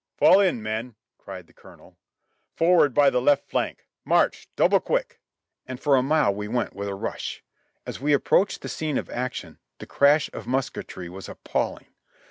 "Fall in, men!" cried the colonel. "Forward by the left flank! March ! Double quick !" And for a mile we went with a rush. As we approached the scene of action, the crash of musketry was appalling.